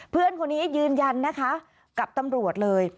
เพื่อนคนนี้ยืนยันนะคะกับตำรวจเลย